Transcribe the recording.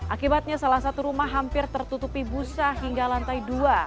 akibatnya salah satu rumah hampir tertutupi busa hingga lantai dua